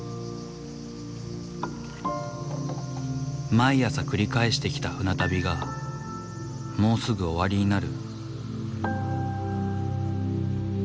毎朝繰り返してきた船旅がもうすぐ終わりになる。